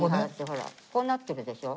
ほらこうなってるでしょ？